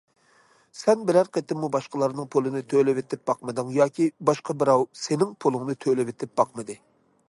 سەن بىرەر قېتىممۇ باشقىلارنىڭ پۇلىنى تۆلىۋېتىپ باقمىدىڭ، ياكى باشقا بىراۋ سېنىڭ پۇلۇڭنى تۆلىۋېتىپ باقمىدى.